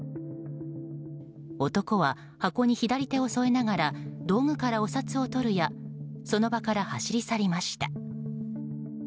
男は、箱に左手を添えながら道具からお札を取るやその場から走り去りました。